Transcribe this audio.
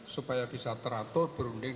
supaya bisa teratur berunding